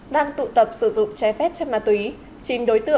đang tụ tập sử dụng trái phép cho ma túy